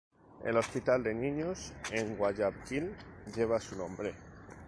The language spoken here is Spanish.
El hospital de niños en Guayaquil lleva su nombre.